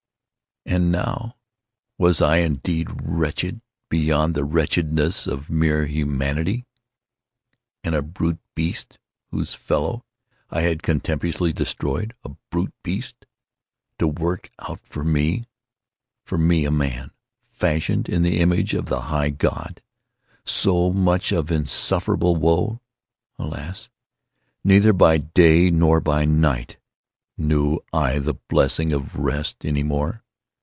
And now was I indeed wretched beyond the wretchedness of mere Humanity. And _a brute beast _—whose fellow I had contemptuously destroyed—a brute beast to work out for me—for me a man, fashioned in the image of the High God—so much of insufferable woe! Alas! neither by day nor by night knew I the blessing of rest any more!